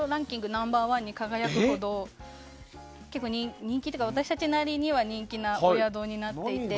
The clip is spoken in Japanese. ナンバーワンに輝くほど結構人気というか私たちなりには人気なお宿になっていて。